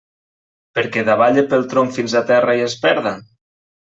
Perquè davalle pel tronc fins a terra i es perda?